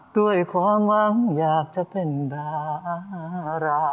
ด้วยความหวังอยากจะเป็นดารา